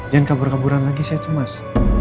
jangan kabur kaburan lagi saya cemas